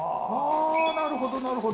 なるほど、なるほど。